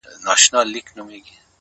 داسي ژوند هم راځي تر ټولو عزتمن به يې؛